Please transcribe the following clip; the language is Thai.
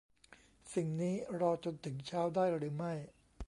สิ่งนี้รอจนถึงเช้าได้หรือไม่